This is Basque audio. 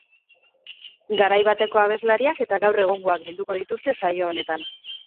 Garai bateko abeslariak eta gaur egungoak bilduko dituzte saio honetan.